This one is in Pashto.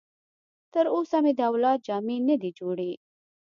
تر اوسه مې د اولاد جامې نه دي جوړې.